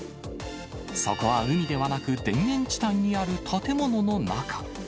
そこは海ではなく、田園地帯にある建物の中。